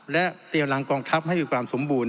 และเตรียมรังกองทัพให้มีความสมบูรณ